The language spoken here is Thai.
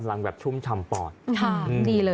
กำลังแบบชุ่มชำปอด